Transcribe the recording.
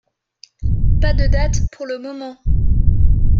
Pas de date pour le moment.